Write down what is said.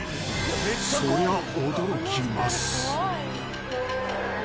［そりゃ驚きます］